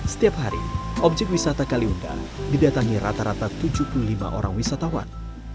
setiap hari objek wisata kaliunda didatangi rata rata tujuh puluh lima orang wisatawan